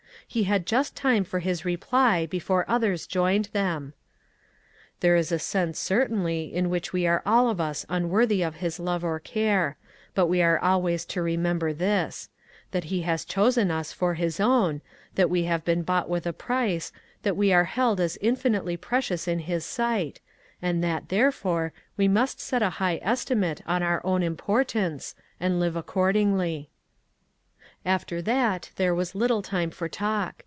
He had just time for his reply before others joined them. " There is a sense, certainly, in which we are all of us unworthy of His love or care, but we are always to remember this: that He has chosen us for His own, that we have been bought with a price, that we are held as infinitely precious in his sight, ,and that, therefore, we must set a high estimate on our own importance, and live accordingly." After that there was little time for talk.